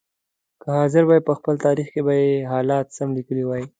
که حاضر وای په خپل تاریخ کې به یې حالات سم لیکلي وای.